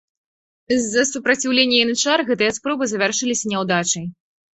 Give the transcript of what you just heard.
З-за супраціўлення янычар гэтыя спробы завяршыліся няўдачай.